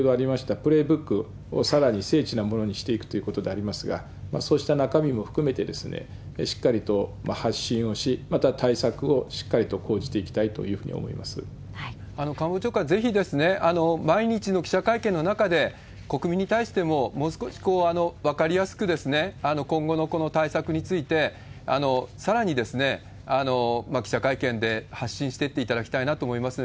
プレーブックをさらにせいちなものにしていくということでありますが、そうした中身も含めて、しっかりと発信をし、また対策をしっかりと講じていきたい官房長官、ぜひ毎日の記者会見の中で、国民に対してももう少し分かりやすく、今後のこの対策について、さらに記者会見で発信していっていただきたいなと思いますので、